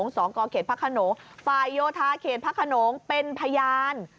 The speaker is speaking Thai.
สกเขตพนปยทเขตพนเป็นพยาน